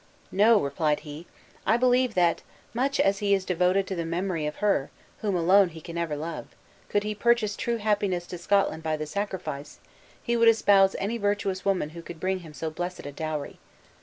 "No," replied he; "I believe that, much as he is devoted to the memory of her, whom alone he can ever love, could he purchase true happiness to Scotland by the sacrifice, he would espouse any virtuous woman who could bring him so blessed a dowry.